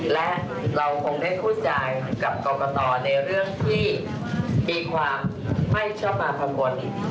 และเราคงได้พูดจากับกรกตในเรื่องที่มีความไม่ชอบมากังวล